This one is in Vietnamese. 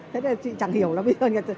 thế này chị chẳng hiểu là bây giờ